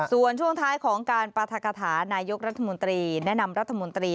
ส่วนช่วงท้ายของการปรัฐกฐานายกรัฐมนตรีแนะนำรัฐมนตรี